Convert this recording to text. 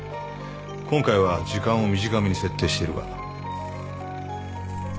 今回は時間を短めに設定してるが。